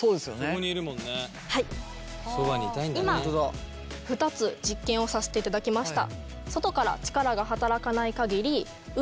今２つ実験をさせていただきました。